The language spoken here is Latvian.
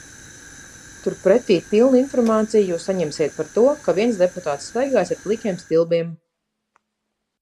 Turpretī pilnu informāciju jūs saņemsiet par to, ka viens deputāts staigājis ar plikiem stilbiem.